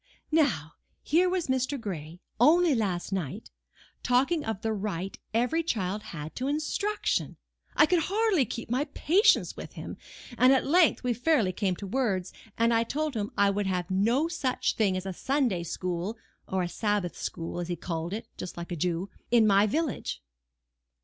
Now, here was Mr. Gray, only last night, talking of the right every child had to instruction. I could hardly keep my patience with him, and at length we fairly came to words; and I told him I would have no such thing as a Sunday school (or a Sabbath school, as he calls it, just like a Jew) in my village."